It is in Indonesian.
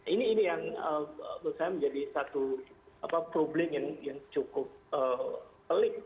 ini yang menurut saya menjadi satu problem yang cukup pelik